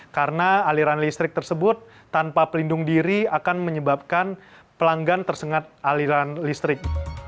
karena aliran listrik tersebut tanpa pelindung diri akan menyebabkan pelanggan tersengat aliran listrik